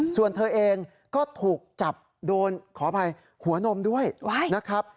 ส่วนเธอเองก็ถูกจับโดนขออภัยหัวนมด้วยนะครับ